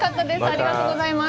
ありがとうございます。